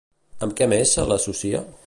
Amb què més se l'associa?